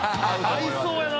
合いそうやな。